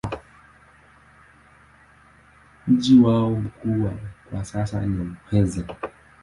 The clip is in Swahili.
Mji wao mkuu kwa sasa ni Muheza.